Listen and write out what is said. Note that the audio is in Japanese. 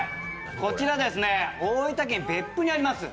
大分県別府にあります